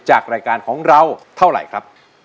จากรายการของเราเท่าไหร่ครับ